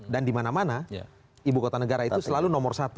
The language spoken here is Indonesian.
dan di mana mana ibu kota negara itu selalu nomor satu